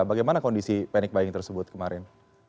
bagaimana kondisi panik bayang tersebut kemarin